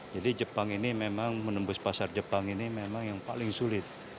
jadi jepang ini memang menembus pasar jepang ini memang yang paling sulit